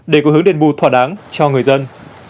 để có hướng đền bù thỏa đáng cho người dân